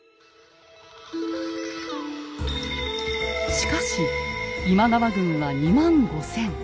しかし今川軍は２万５，０００。